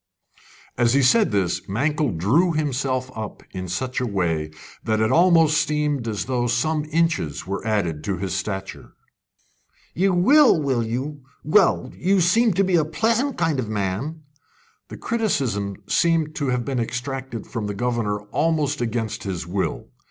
As he said this Mankell drew himself up in such a way that it almost seemed as though some inches were added to his stature. "You will, will you? Well, you seem to be a pleasant kind of man!" The criticism seemed to have been extracted from the governor almost against his will.